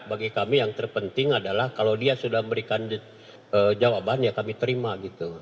bagi kami yang terpenting adalah kalau dia sudah memberikan jawaban ya kami terima gitu